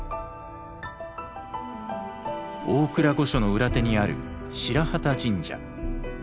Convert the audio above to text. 大倉御所の裏手にある白旗神社。